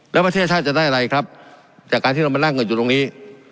แล้วประเทศชาติจะได้อะไรครับจากการที่เรามานั่งเงินอยู่ตรงนี้